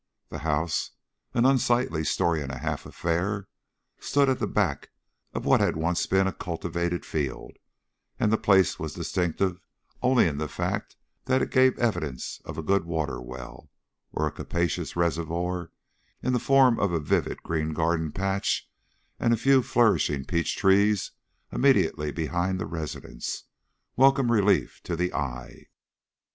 The house, an unsightly story and a half affair, stood at the back of what had once been a cultivated field, and the place was distinctive only in the fact that it gave evidence of a good water well, or a capacious reservoir, in the form of a vivid green garden patch and a few flourishing peach trees immediately behind the residence welcome relief to the eye.